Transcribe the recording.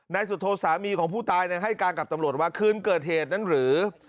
นายสุโธสามีของผู้ตายให้การกับตำรวจว่าคืนเกิดเหตุนั้นหรือ